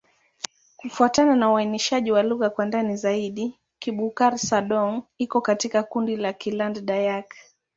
Kufuatana na uainishaji wa lugha kwa ndani zaidi, Kibukar-Sadong iko katika kundi la Kiland-Dayak.